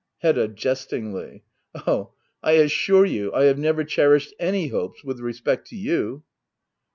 Hedda. [Jestingly,] Oh^ I assure you I have never cherished any hopes with respect to you.